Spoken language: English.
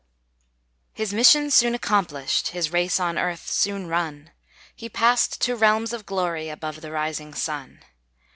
His mission soon accomplished, His race on earth soon run, He passed to realms of glory, Above the rising sun.